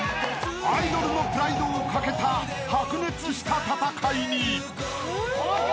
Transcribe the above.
［アイドルのプライドをかけた白熱した戦いに］